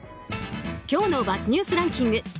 今日のＢｕｚｚニュースランキング。